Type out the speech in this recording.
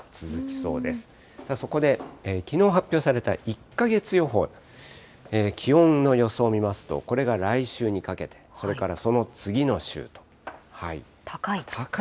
そこで、きのう発表された１か月予報、気温の予想見ますと、これが来週にかけて、高い？